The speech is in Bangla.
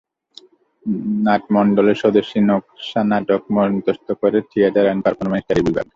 নাটমণ্ডলে স্বদেশি নকশা নাটক মঞ্চস্থ করে থিয়েটার অ্যান্ড পারফরম্যান্স স্টাডিজ বিভাগ।